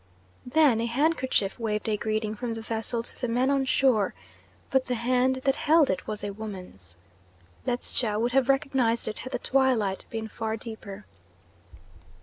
Then a handkerchief waved a greeting from the vessel to the men on shore, but the hand that held it was a woman's. Ledscha would have recognised it had the twilight been far deeper.